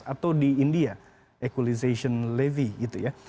atau di india equalization levy gitu ya